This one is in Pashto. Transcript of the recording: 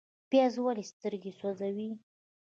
پیاز ولې سترګې سوځوي؟